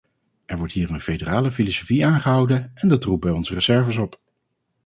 Er wordt hier een federale filosofie aangehouden en dat roept bij ons reserves op.